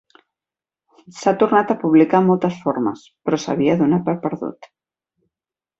S'ha tornat a publicar en moltes formes, però s'havia donat per perdut.